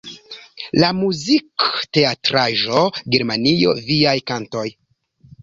La muzikteatraĵo Germanio, viaj kantoj!